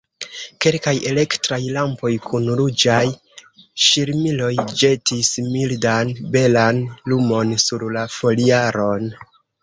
Kelkaj elektraj lampoj kun ruĝaj ŝirmiloj ĵetis mildan, belan lumon sur la foliaron.